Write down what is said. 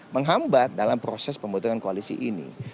menghambat dalam proses pembutuhan koalisi ini